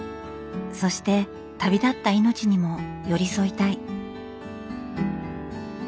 そして旅立った命にも寄り添いたい。